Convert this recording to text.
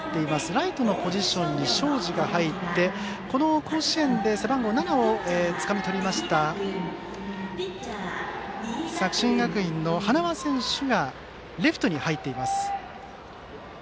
ライトのポジションに東海林が入ってこの甲子園で背番号７をつかみとりました作新学院の塙選手がレフトに入っています。